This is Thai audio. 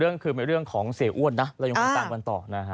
ในเรื่องของเสียอ้วนเรายุ่งหลังตั้งวันต่อ